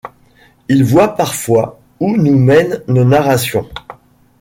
Il voit parfois où nous mènent nos narrations.